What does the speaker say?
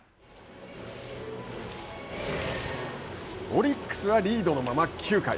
オリックスはリードのまま９回。